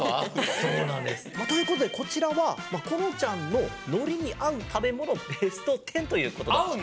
そうなんです。ということでこちらはこのちゃんののりにあうたべものベスト１０ということだったんですね。